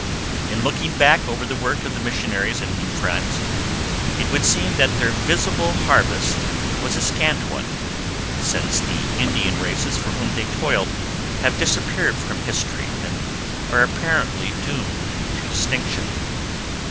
In looking back over the work of the missionaries in New France, it would seem that their visible harvest was a scant one, since the Indian races for whom they toiled have disappeared from history and are apparently doomed to extinction.